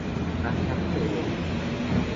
محکمه اداری